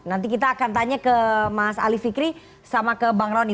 nanti kita akan tanya ke mas ali fikri sama ke bang roni